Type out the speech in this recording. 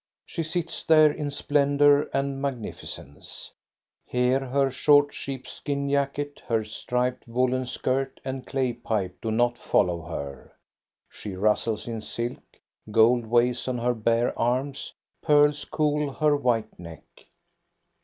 She sits there in splendor and magnificence; here her short sheepskin jacket, her striped woollen skirt, and clay pipe do not follow her. She rustles in silk, gold weighs on her bare arms, pearls cool her white neck.